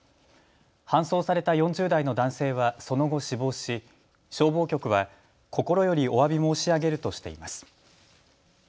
搬送された４０代の男性はその後、死亡し消防局は心よりおわび申し上げるとしています。